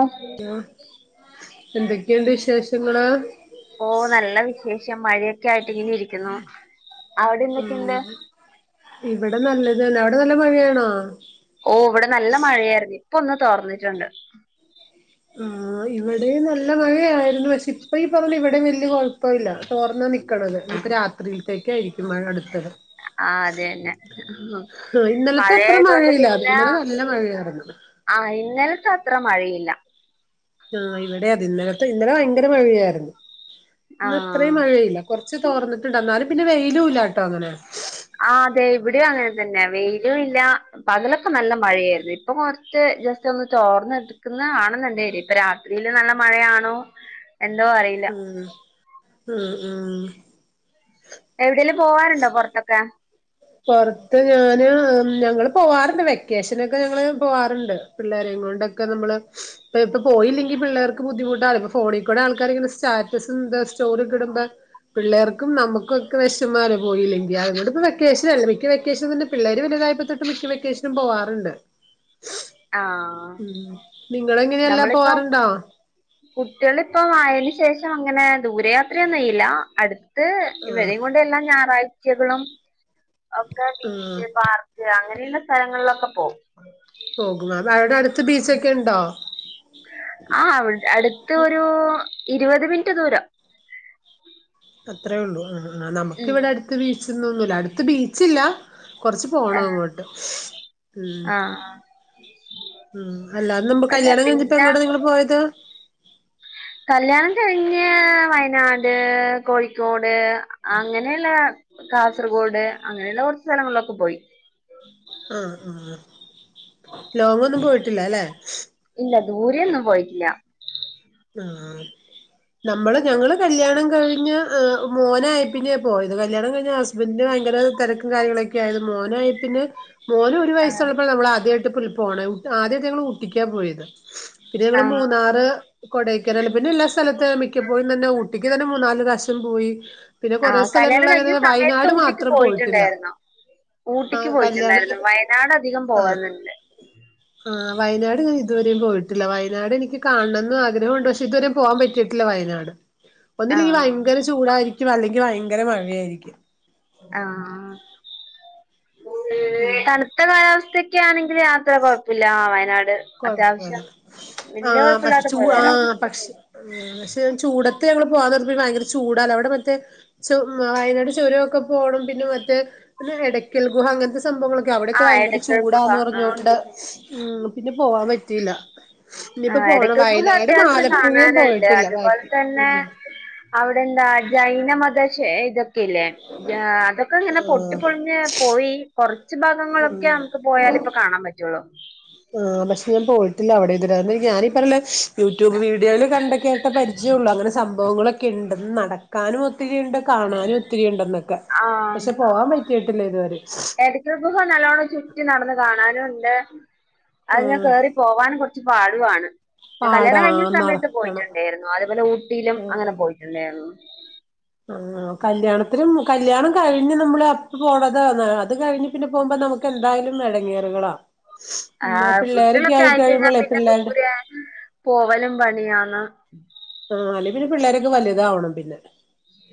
ആഹ് എന്തൊക്കെയുണ്ട് വിശേഷങ്ങള്. ഓ നല്ല വിശേഷം മഴയൊക്കെ ആയിട്ട് ഇങ്ങനെ ഇരിക്കുന്നു അവിടെ എന്തൊക്കെയുണ്ട് ഉം ഇവിടെ നല്ലത് അവിടെ നല്ല മഴയാണോ ഓ ഇവിടെ നല്ല മഴയായിരുന്നു ഇപ്പൊ ഒന്ന് തോർന്നിട്ടുണ്ട് ആ ഇവിടെ നല്ല മഴയായിരുന്നു പക്ഷെ ഇപ്പ ഈ പറഞ്ഞു ഇവിടെ വല്ിയഴ ഇപ്പല്ല തോർന്നാ നൽക്കണത് ഇ രാത്രിയിലത്തേക്ക ആയിരിക്കും മഴ അടുത്തത് ആഅതെ തന്നെ ആ ഇന്നലത്തെ അത്ര മഴയായതുകൊണ്ട് മഴയില്ലാ അത ഇന്നലെ നല്ല മഴയായിരുന്നു ആഹ ഇന്നലത്തെ അത്ര മഴയില്ല. ആ ഇവിടെ അത് ഇന്നലത്തെ ഇന്നലെ ഭയങ്കര മഴയായിരുന്നു ആ ഇന്ന അത്രയും മഴയില്ല കുറ. തോന്നട്ടുണ്ട്ണ്ട എന്നാലും പിന്നെ വെയിലും ഇല്ലാട്ടോ അങ്ങനെ ആ അതെ ഇവിടെയും അങ്ങനെ തന്നെ വെയിലും ഇല്ല പകലൊക്കെ നല്ല മഴയായിരുന്നു ഇപ്പൊ കൊറച്ച് ജസ്റ്റ് ഒന്നിട്ട് ഓർന്നടു ുന്ന ആണുന്നുണ്ടര് ഇപ്പൊ രാത്രിയില് നല്ല മഴയാണോ? എന്തോ അറിയില്ല ഉം ഉം ഉം എവിടെയേങ്കിലും പോകറുണ്ടോ പുറത്തൊക്കെ പൊറത്ത് ഞാന് ഞങ്ങള് പോവാറുണ്ട് വെക്കേഷനൊക്കെ ഞങ്ങള് പോവാറുണ്ട് പിള്ളേരെ കൊണ്ടൊക്കെ നമ്മള് ഇ ഇപ്പൊ പോയില്ലെങ്കിൽ പിള്ളേർക്ക് ബുദ്ധിമുട്ടാണ് ഫോണിൽകൂടെ ആൾക്കാർ ഇങ്ങനെ സ്റ്റാറ്റസ് താ സ്റ്റോറിഒക്കെ ഇടുമ്പോ പിള്ളേർക്കും നമ്മുക്കൊക്കെ വിശന്മാലെ പോയില്ലെങ്കി അതുകൊണ്ട് ഇപ്പ വെ വെക്കേഷനല്ലേ മിക്ക വെക്കേഷൻ തന്നെ പിള്ളേര് വലുതായപ്പ മിക്ക വെക്കേഷനും പോവാറുണ്ട് ആഹ ഉം നിങ്ങൾ എങ്ങനെയല്ലാ പോവാറുണ്ടോ കുട്ടികളിപ്പ ആയതിനു ശേഷം അങ്ങനെ ദൂരയാത്രയൊന്നും ഇല്ല അടുത്ത ആഹ് ഇവരെയ കൊണ്ട് എല്ലാ ഞായറാഴ്ചകളും ഒക്കെ ആഹ് ബീച്ച് പാർക്ക്‌ അങ്ങനെയുള്ള സ്ഥലങ്ങളിലൊക്കെ പോകും പോകും അ അവടെ അടുത്ത് ബീച്ചൊക്കെ ഇണ്ടോ ആ അടുത്ത ഒരു ഇരുപത് മിനിറ്റ് ദൂരം അത്രേ ഉള്ളൂ ആ ആ നമുക്കി ഉം വിടെ അടുത്ത ബീച്ച്ന്നൊന്നുമല്ല അടുത്ത ബീച്ചില്ല കൊറച്ച് പോണ അങ്ങോട്ട് ഉം ആഹ് ഉം അല്ല നിങ്ങൾ അവിടെ കല്യാണം കഴിഞ്ഞിപ്പോ പിന്നെ എങ്ങോട്ട നിങ്ങള്ൾപോയത് കല്യാണം കഴിഞ്ഞ് വയനാട് കോഴിക്കോട് അങ്ങനെയുള്ള കാസർഗോഡ് അങ്ങനെയുള്ള കുറച്ച് സ്ഥലങ്ങളിലൊക്കെ പോയി ആ ആ ആ ലോങ്ന്നും പോയിട്ടില്ല ല്ലെ ഇല്ല ദൂരെയൊന്നും പോയിട്ടില്ല ആഹ നമ്മള് ഞങ്ങള് കല്യാണം കഴിഞ്ഞ് മോനായി പിന്നെ പോ ഇത് കല്യാണം കഴി ഹസ് ബന്റ് ഭയങ്കര തിരക്കും കാര്യങ്ങളൊക്കെ ആയരുന്നു മോനയപ്പപിന്നെ മോനും ഒരു വയസുള്ളപ്പോൾ നമ്മൾ ആദ്യയിട് ഇക്കുറി പോനെ ആദ്യഅധ ഞങ്ങൾ ഊട്ടി ട്ടിക്ക പോയത് പിന്നെ നങ്ങള് ആഹ് മൂന്നാറ് കൊടൈക്കനാല് പിന്നെ എല്ലാം സ്ഥലത്ത് മിക്കപ്പോയി തന്നെ ഊട്ടിക്ക് തന്നെ മൂന്നാല് പ്രാവശം പോയി പിന്നെ കൊറേ ആഹ് കല്യാണം സ്ഥലങ്ങളിൽ കഴിഞ്ഞ അങ്ങനെ സമയത്ത് വയനാട് ഊട്ടിക്ക് മാത്രം പോയിട്ടില്ല പോയിട്ടുണ്ടായിരുന്നോ ആ ഊട്ടിക്ക് കല്യാണം പോയിട്ടുണ്ടായിരുന്നു വയനാട് അധികം പോകാലുണ്ട് ആഹ വയനാട് ഞാൻ ഇതുവരെയും പോയിട്ടില്ല വയനാട് എനിക്ക് കാണണംന്ന് അ ആഗ്രഹണ്ട് പക്ഷെ ഇതുവരെ പോകാൻ പറ്റിട്ടില്ല വയനാട് ഒന്നില്ലങ്കിൽ ആഹ് ഭയങ്കര ച്ചു ചൂടായിരിക്കും അല്ലെങ്കിൽ ഭയങ്കര മഴയായിരിക്കും ആഹ് [unintelligible] ഇ ഉം കാലാവസ്ഥയക്കെ ആണെങ്കിൽ യാത്ര കുഴപ്പില്ല വയനാട് കുഴപ്പില്ല അത്യാവശ്യം ആ വല്യ പക്ഷ കുഴപ്പമില്ലാതെ ച്ചു പോയി ആ വരാം പക്ഷ പക്ഷെ ചൂടത്ത് ഞങ്ങള് പോവാന്ന് കേരത്തി ഭയങ്കര ചൂടാ അവിടെ മറ്റേ ച വയനാട് ചുരൊക്കെ പോണം പിന്നെ മറ്റേ പിന്നെ എടയ്ക്കൽ ഗുഹ അങ്ങനത്തെ സംഭവങ്ങളൊക്കെ ആ അവിടെയൊക്കെ ഭയങ്കര എടക്കൽ ഗുഹ ചൂടാന്ന് ആ പറഞ്ഞോണ്ട് ഉ പിന്നെ പോവാൻ പറ്റിയില്ല ആ ഇനിയിപ്പോ പോണം എടയ്ക്ക് ഗുഹ വയനാടും അത്യാവശ്യം ആലപ്പുഴയും കാണാനുണ്ട് പോയിട്ടില്ല അതുപോലെ ബാക്കി തന്നെ ഉം അവ്ടെന്താ ജൈന മതശേ ത് ക്കില്ലേ ജാ അതൊക്കെങ്ങനെ പൊട്ടി ആഹ് പൊൾഞ്ഞ് പോയി കൊർച്ച് ഭാഗങ്ങളൊക്കേമ്മക്ക് പോയാല് പ്പൊ കാണാപറ്റുള്ളൂ ആ പഷെ ഞാൻ പോയിട്ടില്ല അവ്ടെ ഇതൊരെ അന്ന് ഞാനീ പറൊല യൂട്യൂബ് വീ ഡ്യോല് കണ്ട്കേട്ട പര്ച്യൊള്ളു അങ്ങനെ സംഭൊവ്ങ്ങളൊക്കെണ്ടെന്ന് നടക്കാന്വൊത്തിരിണ്ട് കാണാനും ഒത്തിരിണ്ടെന്നൊക്കെ ആഹ് പഷെ പോവാൻ പറ്റീട്ടില്ല ഇതുവരെ എടക്കൽ ഗുഹ നല്ലോണം ചുറ്റി നടന്ന് കാണാനുണ്ട് അത്ങ്ങാ ആഹ് കേറി പോവാനും കൊറ്ച്ച് പാടുവാണ് കല്യാണം പാടാ കഴിഞ്ഞ സമയത്ത് നടക്കണം പോയ്ട്ടിണ്ടേര്ന്നു അതെപോലെ ഊട്ടീലും അങ്ങനെ പോയിട്ടിണ്ടേര്ന്നു ആ കല്യാണത്തിനും കല്യാണം കഴിഞ്ഞ് നമ്മള് അപ്പ പോണത് ന അത് കഴിഞ്ഞ് പിന്നെ പോമ്പോ നമുക്കെന്തായ്ലും എടങ്ങേറുകളാ ആഹ് പിള്ളേരൊക്കെ കുട്ട്യളൊക്കായി കഴിഞ്ഞാ ആയിക്കഴിയുമ്പോളേ പിന്നെ പിള്ളേരുടെ ദൂരെ പോവലും പണിയാന്ന് ആഹ് അല്ലേ പിന്നെ പിള്ളേരെക്കെ വല്താവണം പിന്നെ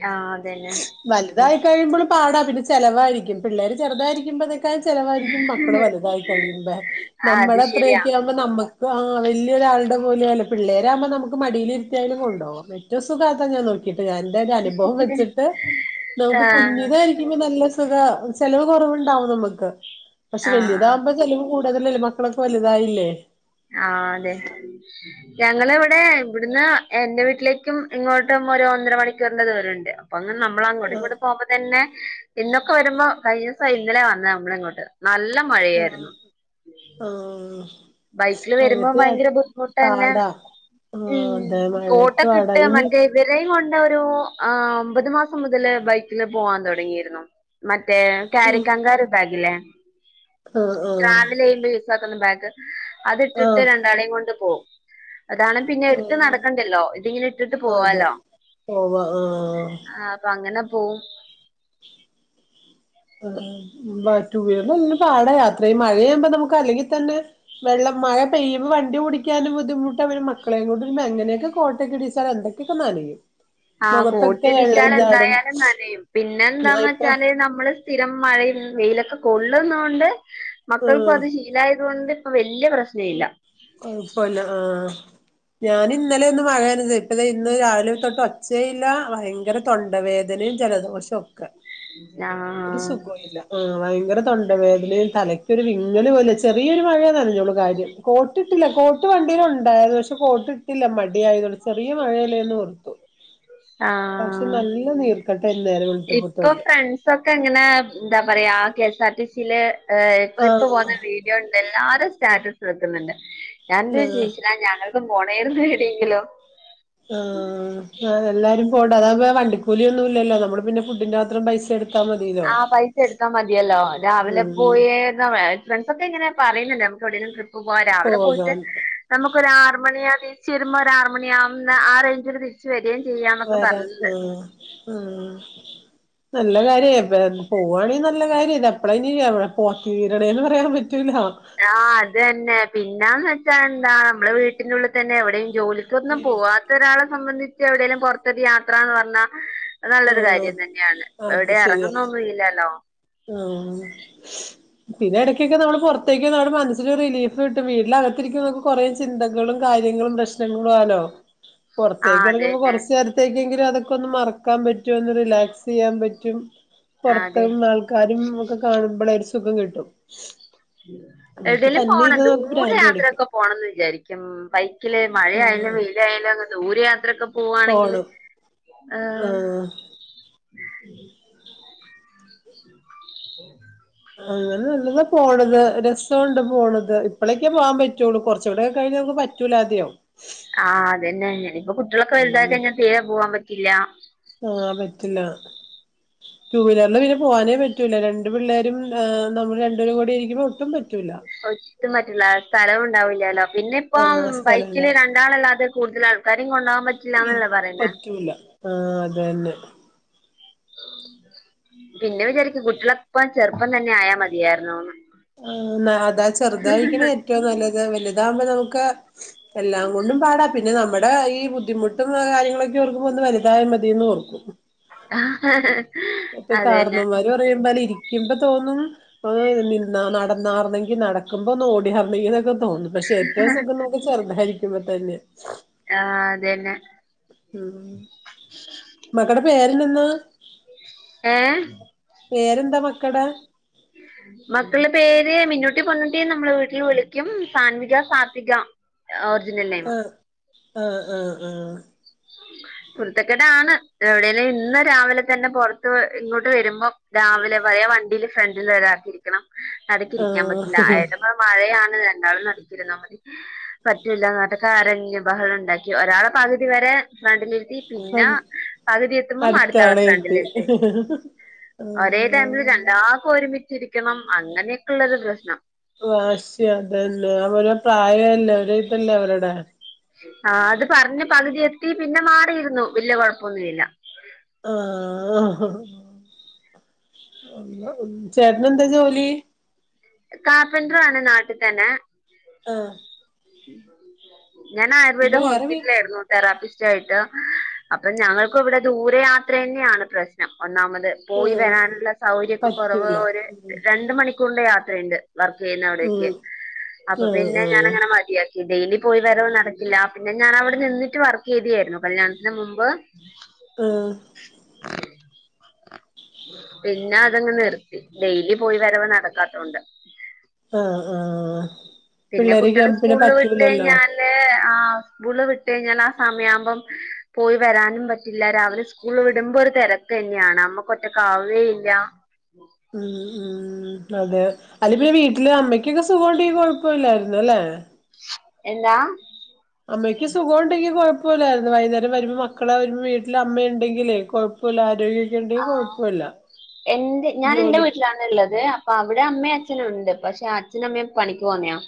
ആഹ് അതെന്നെ വല്തായി കഴിമ്പൊള് പാടാ പിന്നെ ചെലവായ്ര്ക്കും പിള്ളേര് ചെറ്തായിരിക്കുമ്പതെ ചെലവാരിക്കും മക്കള് വലുതായി കഴിയുമ്പ ആഹ് അത് നമ്മടെ ശരിയാ അത്രെക്ക്യാ മ്പ നമ്മക്ക് ആ വല്ല്യൊരാൾടെ പോലെയാലെ പിള്ളേരാമ്പൊ നമ്മക്ക് മടീല് ഏലും കൊണ്ടോം [unintelligible] സുഖാത്താ ഞാൻ നോക്കീട്ട് ഞാൻ തരനുഭവം വെച്ചിട്ട് നമുക്ക് ആഹ് കുഞ്ഞിത ക്കുമ്പ നല്ല സുഖാ ചെലവ് കൊറവ്ണ്ടാവുന്നമ്മക്ക് പഷെ ആഹ് വെല്ല്യതാമ്പോ ചെലവ് കൂ അതന്നല്ലേ മക്കളൊക്കെ വല്തായില്ലേ ആഹ് അതെ ഞങ്ങളിവിടെ ഇവിടുന്ന് എന്റെ വീട്ടിലേക്കും ഇങ്ങോട്ടും ഒര് ഒന്നര മണിക്കൂറിന്റെ ദൂരണ്ട് ഒന്ന് നമ്മളങ്ങോട്ടിങ്ങോട്ട് പോമ്പതന്നെ ഇന്നൊക്കെ വരുമ്പോ കഴിഞ്ഞൂസൊ ഇന്നലെ വന്നെ അമ്മളിങ്ങോട്ട് നൽ മഴ് ആഹ് ആഹ് ബൈക്കില് വരുമ്പോ മഴത് ഭയങ്കര ബുദ്ധിമുട്ടന്നെ പാടാ ആഹ് അതെ മഴത്തുവാടാ ഇനി വരെം കൊണ്ടൊരു ആ ഒമ്പത് മാസം മുതല് ബൈക്കില് പോവാൻ തൊടങ്ങിയിരുന്നു മറ്റേ ഉം കാരി കങ്കാരു ബാഗില്ലേ ആഹ് ആഹ് ട്രാവലെയ്റ്റ് താക്ക്ന്ന ബാഗ് അത്ട്ടിട്ട് ആഹ് രണ്ടാളെം കൊണ്ട് പോം അതാണെ പിന്നെ എട്ത്ത് ആഹ് നടക്കണ്ടെല്ലോ ഇതിങ്ങ്നെ ഇട്ടിട്ട് പോവാലോ വ ആഹ് പങ്ങന പോവും ബാ റ്റൂ വീലർല്യ പാടാ യാത്രെയീ മഴയാമ്പോ നമുക്കല്ലെങ്കി തന്നെ വെള്ളം മഴ പെയ്യുമ്പം വണ്ടി ഉടിക്കാനും ബുദ്ധിമുട്ട പിന്നെ മക്കളെം കൊണ്ട് എങ്ങനെക്കെ കോട്ടക്കെടിച്ചാലെന്തെ പ്പം നാലില് ആഹ് കോട്ടിടിച്ചാലെന്തായാലും നനയും ഞാൻ ഇപ്പ പിന്നെന്താന്നെച്ചാല് നമ്മള് സ്ഥിരം മഴെം വെയിലൊക്കെ കൊള്ളുന്നോണ്ട് ആഹ് മക്കൾക്കുവത് ശീ ഇതായത് കൊണ്ട് ഇപ്പ വല്ല്യ പ്രശ്നല്ല കൊഴപ്പല ആഹ് ഞാനിന്നെലൊന്നു മഴ നനഞ്ഞെ ഇപ്പതേ ഇന്ന് രാവിലെ തൊട്ട് ഒച്ചേയ്ല്ല ഭയ്ങ്കര തൊണ്ടവേദനെം ജലദോഷൊക്കെ ഒരു ആഹ് സുഖൊല്ല ആഹ് ഭയ്ങ്കര തൊണ്ട വേദനേം തലയ്ക്കൊരു വിങ്ങല് പോലെ ചെറിയൊരു മഴേ നനഞ്ഞോള്ളൂ കാര്യം ട്ടിട്ടില്ല കോട്ട് വണ്ടിയിലൊണ്ടായ്ര്ന്നു പഷെ കോട്ടിട്ടില്ല മടിയായ്തോണ്ട് ചെറിയ മഴെല്ലേന്നോർ ആഹ് നീർക്കെട്ടാ ഇന്നേരം ഇപ്പൊ വെളുത്തപ്പത്തോട്ട് കൺ ഒക്കെങ്ങനെ എന്താ പറയാ K S R T seal ഏ ട്രിപ്പ് ആഹ് പോന്ന വീഡ് ണ്ട് എല്ലാരും സ്റ്റാറ്റസ് വെക്ക്ന്നുണ്ട് ഞാന്റെ ആഹ് [unintelligible] ന്നു പോണേര്ന്നു ഏടേങ്കിലൊ ആ എല്ലാരും പോണ്ട അതവുമ്പേ വണ്ടിക്കൂലി ഒന്നും ഇല്ലല്ലോ നമ്മള് പിന്നെ ഫുഡിന്റെ മാത്രം പൈസ എടുത്ത് ആഹ പൈസ എടുത്താ മതിയല്ലോ രാവിലെ ഉം പോയാ തെ ഫ്രണ്ട്സ ഒക്കെ ഇങ്ങനെ പറയുന്നുണ്ട് നമുക്ക് എവിടെെങ്കുംട്രിപ്പ് പോവാൻ രാവിലെ പോയിട്ട് പോകാൻ നമുക്കൊ ഒരു ആർ മണി അ ത്തിരിച്ച് വരുമ്പ ഒരാആരു മണിയ ആവുന്ന ആ റെയ്ച്ചിൽ ച്ചു വരിയേ ചെയ്യാന്നൊക്കെ പറഞ്ഞണ്ട് ആഹ [inaudible] നല്ല കാര്യ പോവുവാണെങ്കിൽ നല്ല കാര്യം എപ്പള ഇനി പോ കീരണേന്ന് പറയാൻ പറ്റൂല ആഹ് അത് തന്നെ പിന്നാന്ന് വെച്ചാ എന്താ നമ്മെ വീട്ടിന്റെ ഉള്ളിൽ തന്നെ എവിടെയും ജോലി ഇന്നും ഇരി പോവാത്ത ഒരാളെ സംബന്ധിച്ച് എവിടെലും പുറത്തൊരു യാത്ര എന്ന് പറഞ്ഞാൽ അഹ് നല്ലൊരു ആഹ് കാര്യം തന്നെയാണ് എവിടെ ഇറങ്ങുന്നൊന്നും ഇല്ലല്ലോ ആഹ [inaudible] പിന്നെ ഇടയ്ക്കൊക്കെ നമ്മള് പുറത്തേക്ക് നമ്മടെ മനസ്സിൽരു റീഫ് കിട്ടും വീട്ടിനകത്തിരിക്കുന്നക്കെ കുറേ ചിന്തകളും കാര്യങ്ങളും [unintelligible] പുറത്തേക്ക് ആഹ് ഇറങ്ങുമ്പോ അതന്നെ കുറച്ച് നേരത് ത്തേക്ക് എങ്കിലും അതൊക്കൊന്ന് മറക്കാൻ പറ്റും ഒന്ന് റിലാക്സ് ചെയ്യാൻ പറ്റും ആഹ് അതെ പുറത്തുന്ന ആൾ കാരും ഒക്കെ കാണുമ്പോളെ ഒരു സുഖം കിട്ടും വീട്ടിൽ എവിടേലും തന്നെ പോണം ഇരുന്ന് ഉണ്ട് നമുക്ക് ദൂരെ ഭ്രാന്ത് പിടിക്കും യാത്രയൊക്കെ പോണംന്ന് വിചാരിക്കുന്ന് ഉം ബൈക്കില് മഴയാലും ആഹ് വെയില ആയാലും അങ്ങ് ദൂര യാത്രൊക്കെ പോവാണെങ്കിൽ ഫോണ് ആഹ് അങ്ങനെ നല്ലതാ പോണത് രസംണ്ട് പോണത് ഇപ്പോഴേൊക്കെ പോവാൻ പറ്റുള്ളൂ കുറച്ചുകൂടെക്കെ കഴിഞ്ഞ ക്ക് പറ്റ [unintelligible] ആദ്യം ആഹ് അതന്നെ ഞൻ ഇപ്പൊ കുട്ടികളൊക്കെ വലുതായി ഉം കഴിഞ്ഞ തീരെ പോവാൻ പറ്റില്ല ആഹ് പറ്റില്ല ഉ ടൂ വീലറില് പിന്നെ പോവാനേ പറ്റൂല്ല രണ്ട് പിള്ളേരും നമ്മൾ രണ്ടൂരം കൂടി ആരിക്കുമ്പോൾ ഒട്ടും പറ്റൂല്ല ഒട്ടും പറ്റുള്ള സ്ഥലവും ഉണ്ടാവൂല്ലല്ലോ പിന്നെ ഇപ്പം ആഹ് സ്ഥലം ബൈക്കില് ഉണ്ടാവില്ല രണ്ട് എതാളല്ലോ അത് കൂടുതൽ ആൾക്കാരെം കൊണ്ടോകാൻ പറ്റില്ലാ എന്നല്ലേ പറയുന്ന ഇല്ല ആഹ് അതന്നെ പിന്നെ വിചാരിക്കും കുട്ടികളപ്പ ചെറുപ്പം തന്നെ ആയാ മതിയായിരുന്നുന്ന് ആഹ് അതാ ചെറുതായി ഇരിക്കണ ഏറ്റവും നല്ലത് വലുതാകുമ്പോ നമുക്ക് എല്ലാം കൊണ്ടും പാടാ പിന്നെ നമ്മുടെ ഈ ബുദ്ധിമുട്ടും കാര്യങ്ങളൊക്കെ ഓർക്കുമ്പ ഒന്ന് വലുതായ മതിന്ന് ഓർക്കും ആഹ് അതന്ന പറയുമ്പലെ ഇരിക്കുമ്പോ തോന്നും ഓ നി ന നടന്നാർന്നെങ്കി നടക്കുമ്പോ ഒന്ന് ഓടിയർനിന്നെങ്കി എന്നൊക്കെ തോന്നുന്നു പക്ഷെ ഏറ്റവും സുഖം നോ [unintelligible] ചെറുന്നായിരിക്കുമ്പ തന്നെയ ആഹ് അതന്നെ ഉം മകടെ പേരിനന്ന ഏഹ് പേരെന്താ മക്കടെ മക്കളുടെ പേര് മിന്നൂട്ടി പൊന്നുട്ടി നമ്മളെ വീട്ടിൽ വിളിക്കും സാൻവിക, സാത്വിക ഓറിജിനൽ നേം ആഹ് ആഹ് ആഹ് കുരുത്തക്കേട് ആണ് എവിടെേലും ഇന്ന് രാവിലെ തന്നെ പുറത്ത് ഇങ്ങോട്ട് വരുമ്പോ രാവിലെ പഴയ വണ്ടിൽ ഫ്രണ്ടിൽ ഒരാക്കിയിരിക്കണം നടക്കി ഇരിക്കാൻ പറ്റില്ല ആയ ന മഴയാണ് രണ്ടാളും നടക്കുന്ന മതി പറ്റൂല്ല റന്നിട്ട് കരഞ്ഞ് ബഹളം ഉണ്ടാക്കി ഒരാളെ പകുതി വരെ ഫ്രണ്ടിലി ആ പിന്നെ പകുതി എത്തുമ്പം അടുത്താളെ അടുത്താണ് ഫ്രണ്ടിൽ എത്തി ഇരുത്തി ഒരേ ടൈമില് ആ രണ്ടാൾക്കും ഒരുമിച്ചിരിക്കണം അങ്ങനെയൊക്കെ ഉള്ളൊരു പ്രശ്നം വാശ്യ അതന്നെ അവരോ പ്രായല്ലേ ഒരേ ഇതല്ലേ അവരുടെ ആഹ് അത് പറഞ്ഞ് പകുതി എത്തി പിന്നെ മാറിയിരുന്നു വല്യ കുഴപ്പൊന്നുമില്ല ആഹ് ഓ ഹൊ ഹൊ ചേട്ടന് എന്താ ജോലി കാർപെൻ്ററും ആണ് നാട്ടിൽ തന്നെ ആഹ് ഞാൻ ആയുർവേദ പിന്നെ വേറെ വീ ഹോസ്പിറ്റലി ആയിരുന്നു തെറാപ്പിസ്റ്റ് ആയിട്ട് അപ്പം ഞങ്ങൾക്കും ഇവിടെ ദൂര യാത്ര തന്നെയാണ് പ്രശ്നം ഒന്നാമത് പോയി ആഹ് വരാനുള്ള സൗകര്യം ഒക്കെ കുറവ് പറ്റൂല ഒരു രണ്ട് മണിക്കൂറിന്റെ യാത്രയുണ്ട് വർക്ക് ചെയ്യുന്ന അവിടേക്ക് ഉം അപ്പൊ ആഹ് പിന്നെ ഞാൻ ആഹ് ങ്ങനെ മതിയാക്കി ഡെയിലി പോയി വരവ് നടക്കില്ല പിന്നെ ഞാൻ അവിടെ നിന്നിട്ട് വർക്ക് ചെയ്തിയായിരുന്നു കല്യാണത്തിന് മുമ്പ് ഉ ആഹ പിന്നെ അതങ്ങ് നിർത്തി ഡെയിലി പോയി വരവ നടക്കാത്തോണ്ട് ആഹ ആഹ് പിള്ളേരെ ഞ പിന്നെ പറ്റൂലല്ലോ അെ ആ് ആ സ്കൂള് വിട്ട കഴിഞ്ഞാൽ ആ സമയമാകുമ്പം പോയി വരാനും പറ്റില്ല രാവിലെ സ്കൂള വിടുമ്പോ ഒരു തിരക്ക് ഒക്ക തന്നെയാണ് നമ്മക്ക് ഒറ്റക്കാവുകയില്ല ഉം ഉം. ഉം അതെ അല്ലെ പിന്നെ വീട്ടില് അമ്മക്കൊക്കെ സുഖമണ്ട് കുഴപ്പ ഇില്ലായിുന്ന അല്ലെ എന്താ അമ്മയ്ക്ക് സുഖം ഉണ്ടെങ്കിൽ കുഴപ്പമില്ലായിരുന്നു വൈുന്നേരം വരുമ്പോ മക്കളെ വരുമ്പോ വീട്ടിൽ അമ്മയ ഉണ്ടെങ്കിലേഴ ല ആരോഗ്യക്കണ്ട കുഴപ്പില്ല ജോലി ള്ളത് അപ്പൊ അവിടെ അമ്മയും അച്ഛനുണ്ട് പക്ഷെ അച്ഛന അമ്മേ പണിക്ക് പോോന്നയാോ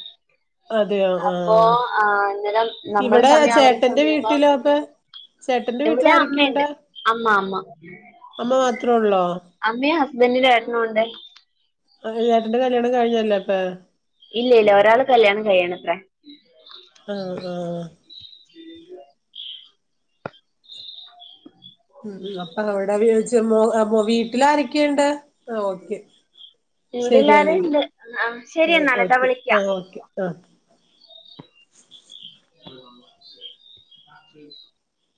അതെയോ അപ്പൊ ആഹ് ആ അന്നരം നമ്മള് ഇവിടെ സമയം അവരു ചേട്ടന്റെ സമയം അപ്പൊ വീട്ടിലോ അപ്പ ചേട്ടന്റെ വീട്ടിൽ എവിടെ ആരൊക്കെയുണ്ട് അമ്മുണ്ട് അമ്മ അമ്മ അമ്മ മാത്രേ ഉള്ളോ അമ്മയും ഹസ്ബൻറിന്റെ ട്ടനുണ്ട് ആ നേട്ടന്റെ കല്യാണം കഴിഞ്ഞല്ലേ അപ്പൊ? ഇല്ല ഇല്ല ഒരാൾ കല്യാണം കഴിയണത്രേ. ആഹ ആഹ ഉം അപ്പൊ അവിടെ വീട്ടില ആരൊക്കെയുണ്ട് ആ ഓക്കെ ഇവിടെല്ലാരും ശരിയാന്നെങ്കിൽ ഉണ്ട് ആ ശരി ആ എന്നാല് ട്ടാ ഓക്കെ ആ ഓക്കെ ആ ആ അ